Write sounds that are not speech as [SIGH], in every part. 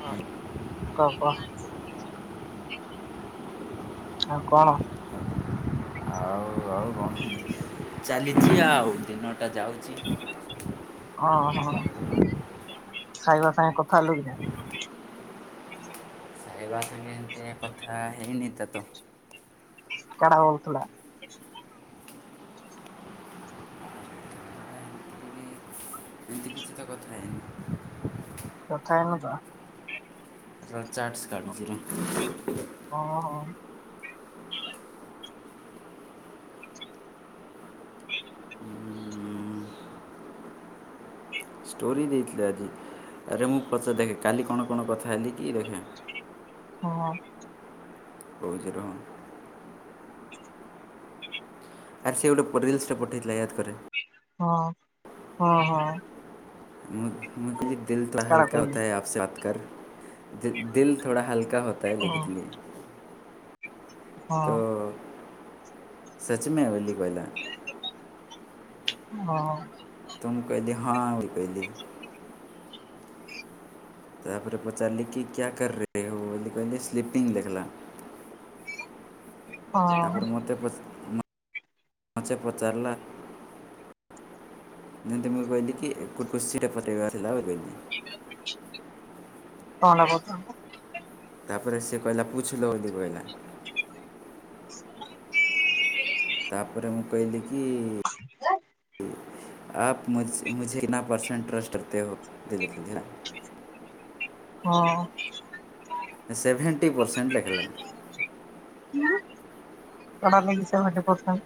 ହ ଅ କ ହଁ କ ଆଉ ଆଉ ଚାଲିଚି ଆଉ ଦିନଟା ଯାଉଚି। ଅହ ଖାଇବା ସାଙ୍ଗେ କଥା ହେଲୁ କି ନାଇ ଖାଇବା ସାଙ୍ଗେ ହେମତି ଏ କଥା ହେଇନି ତ ତ କଣ ହଉଥିଲା? ଏମିତି ଏମିତି କିଛି ତ କଥା ହେଇନି। କଥା ହେଇନଥିଲା। ରହ ଚାର୍ଜ କାଢୁଛି ରହ। ହଁ ହଁ ଷ୍ଟୋରି ଦେଇଥିଲେ ଆଜି ଆରେ, ମୁଁ ପଚାରେ ଦେଖେ କାଲି କଣ କଣ କଥା ହେଲିକି ଦେଖେ। ହଁ। କହୁଛି ରହ। ଆରେ ସେ ଗୋଟେ ପ ରିଲ୍ସ୍ ଟେ ପଠେଇଥିଲା ୟାଦ କରେ। ହଁ- ହଁ- ହଁ। ମୁଁ ମୁଁ ବୋଲି ଦିଲ୍ ଥୋଡା କାଡା ହାଲକା କହିଲି ହେତା ହେ ଆପ ସେ ବାତ କର ଦିଲ୍ ଥୋଡା ହଲକା କ୍ୟା ହୋତା ହେ ହଁ ଲେଖିଥିଲି। ହଁ ତ ସଚମେ ବୋଲି କହିଲା। ହଁ। ତୁମ କହିଲି ହଁ ଆଉ କହଲି। ତାପରେ ପଚାରିଲି କି କ୍ୟା କର୍ ରହି ହୋ? [UNINTELLIGIBLE] କହିଲେ ସ୍ଲିପିଙ୍ଗ ଲେଖିଲା। ହଁ ତାପରେ ମତେ ପଚା ମତେ ପଚାରିଲା। ମୁ ତାଙ୍କୁ କହଲି କି ଏକ କୁରସି [UNINTELLIGIBLE] ଲାଓ ଗେ କଣ [UNINTELLIGIBLE] ତାପରେ ସେ କହିଲା ପୁଛଲୋ ବୋଲି କହିଲା। [INAUDIBLE] ତାପରେ ମୁଁ କହିଲି କି? [UNINTELLIGIBLE] ଆପ ମୁଝ ମୁଝେ କିତନା ପରସେଣ୍ଟ ଟ୍ରଷ୍ଟ କରତେ ହୋ ଏମିତି ଲେଖିଥିଲା। ହଁ। ସେଭେଣ୍ଟି ପରସେଣ୍ଟ ଲେଖିଲା। ହଁ କଣ ଲାଗି ସେ ମୋତେ ପସନ୍ଦ?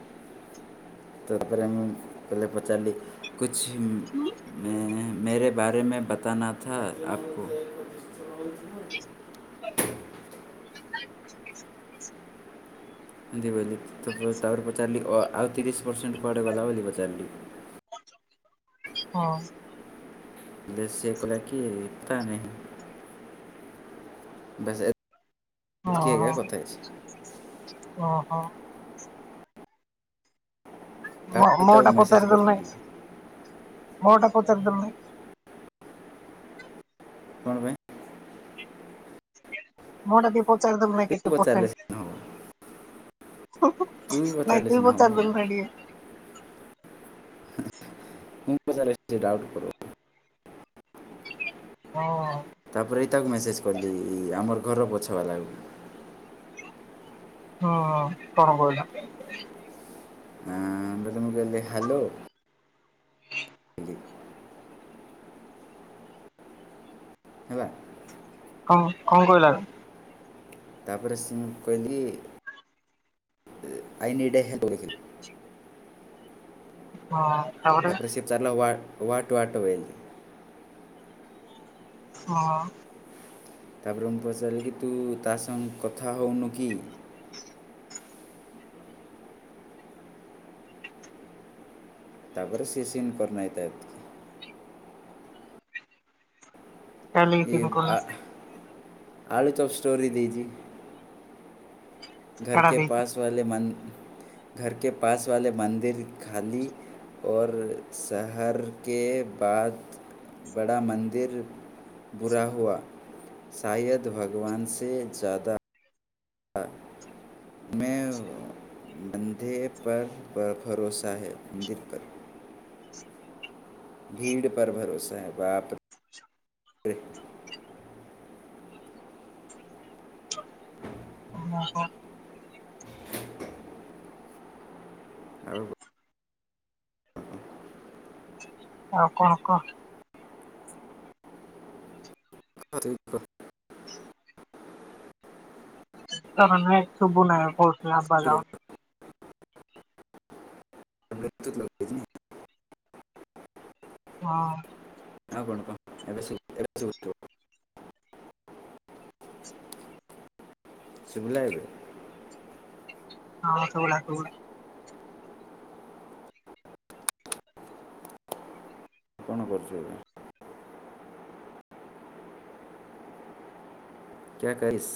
ତା ପରେ ମୁଁ ଯେବେ ପଚାରିଲି କୁଛ ମ୍ ମେ ମେରେ ବାରେ ମେ ବତାନା ଥା ଆପକୋ। [INAUDIBLE] ଏମିତି ବୋଇଲି ତ ତାପରେ ପଚାରିଲି, ଆଉ ତିରିଶ ପରସେଣ୍ଟ କୁଆଡେ ଗଲା ବୋଲି ପଚାରିଲି। ହଁ। ଦେନ ସିଏ କହିଲା କି କାଇଁ ନା ବାସ ହଁ ଏତିକି ଆଞା ହଁ କଥା ହେଇଛି। ହଁ ହଁ ମୋ ତାପରେ ତାକୁ କଥା ମେସେଜ୍ ପଚାରିଲୁନୁ, କରିଥିଲି ମୋ କଥା ପଚାରି ଦେଲୁନୁ। କଣ ପାଇଁ? ମୋ କଥା ପଚାରଦେଲୁ ନେଇ ତୁ କେତେ ପଚାରିଲେ ପର୍ସେଣ୍ଟ? ସିନା ହେବ ତୁ ନାଇଁ ପଚାରିଲେ ତୁ ସିନା ହେବ ପଚାର ଦେଲୁ ମୁଁ ଖାଲି। ମୁଁ ପଚାରେ ସିଏ ଡାଉଟ କର ହଁ। ତାପରେ ଏଇ ତାକୁ ମେସେଜ କଲି ଆମର ଘର ପଛ ବାଲାକୁ। ହଁ କଣ କହିଲ? ଆ ମୁଁ କହିଲି ମୁଁ କହିଲି ହ୍ୟାଲୋ। କହିଲି ହେଲା। କଣ କଣ କହିଲା? ତାପରେ ସେ ମୁଁ କହିଲି ଆଇ ନିଡ ଏ ହେଲ୍ପ [UNINTELLIGIBLE] ହଁ। ତାପରେ ସେ [UNINTELLIGIBLE] ୱାଟ ୱାଟ ୱେଲ୍। ହଁ। ତାପରେ ମୁଁ ପଚାରିଲି କି -ତୁ ତା ସାଙ୍ଗେ କଥା ହେଉନୁ କି? ତାପରେ ସିଏ ସିନ୍ କରନାହିଥା। ଚାଲି ମୁକୁ [UNINTELLIGIBLE] ଆଳୁ ଚପ୍ ଷ୍ଟୋରି ଦେଇଛି। ଘର ଝାଡ଼ା କେ ଦେଇଛି। ପାସ ୱାଲେ ମନ, ଘର କେ ପାସେ ୱାଲେ ମନ୍ଦିର ଖାଲି। ଓର, ଶହର କେ ବାଦ ବଡ଼ା ମନ୍ଦିର ବୁରା ହୁଆ। ଶାୟଦ ଭଗବାନ ସେ ଜାଦା ମେଁ ବନ୍ଧେ ପର ଭରୋସା ହେ, ମନ୍ଦିର ପର ଭିଡ଼ ପର ଭରୋସା ହେ -ବାପ ଓହୋ ଆଉ କଥା ଆଉ କଣ କହ? ଖ [UNINTELLIGIBLE] କଣ ଶୁବୁ ନାହି କସ ଆବା ଟିକେ ଯାଉ [UNINTELLIGIBLE] ବ୍ଲୁଟୁଥ୍ ଲଗେଇଛି ନା ହଁ। ଆଉ କ'ଣ କହ ଏବେ ଶୁଭିଲା ଏବେ ଶୁଵିଲା ଏବେ? ହଁ ଶୁଵିଲା ସୁବୁଛି। କଣ କରୁଚ ଏବେ? କ୍ୟା କରିସ୍